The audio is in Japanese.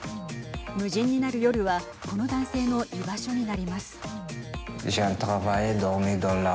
無人になる夜はこの男性の居場所になります。